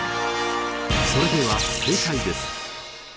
それでは正解です。